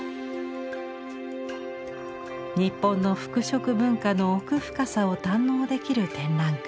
日本の服飾文化の奥深さを堪能できる展覧会。